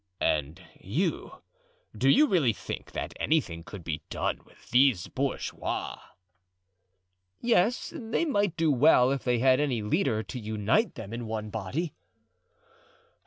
"And you—do you really think that anything could be done with these bourgeois?" "Yes, they might do well if they had any leader to unite them in one body."